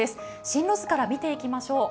進路図から見ていきましょう。